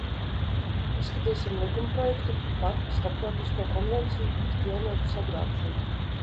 "Izskatīsim likumprojektu "Par Starptautisko konvenciju pret ķīlnieku sagrābšanu"."